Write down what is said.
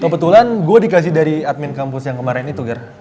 kebetulan gue dikasih dari admin kampus yang kemarin itu ger